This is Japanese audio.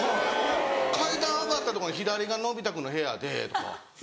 「階段上がったとこの左がのび太君の部屋で」とか。